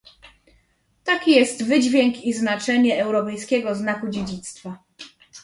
Taki jest wydźwięk i znaczenie europejskiego znaku dziedzictwa